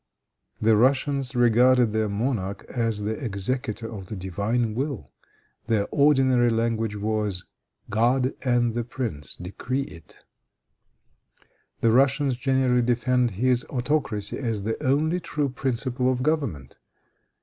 The Russians regarded their monarch as the executor of the divine will. Their ordinary language was, God and the prince decree it. The Russians generally defend this autocracy as the only true principle of government.